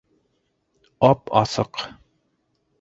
Ап-асыҡ...